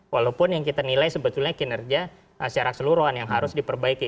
walaupun yang kita nilai sebetulnya kinerja secara keseluruhan yang harus diperbaiki